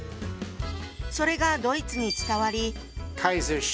それがドイツに伝わり。